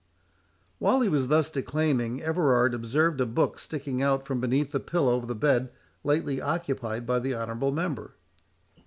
'" While he was thus declaiming, Everard observed a book sticking out from beneath the pillow of the bed lately occupied by the honourable member.